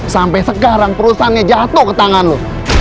sampai sekarang urusannya jatuh ke tangan lo